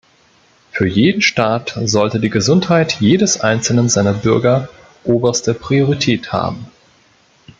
Für jeden Staat sollte die Gesundheit jedes einzelnen seiner Bürger oberste Priorität haben.